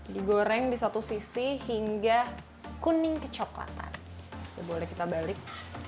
digoreng di satu sisi hingga kuning kecoklatan sudah boleh kita balik